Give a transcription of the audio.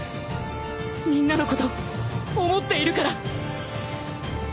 みんなのこと思っているから